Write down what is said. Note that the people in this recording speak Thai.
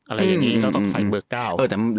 อะไรอย่างนี้เราต้องใส่เบอร์๙